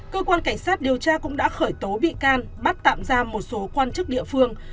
cơ quan cảnh sát điều tra cũng đã khởi tố bị can bắt tạm ra một số quan chức địa phương